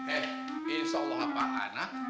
eh insya allah ngapain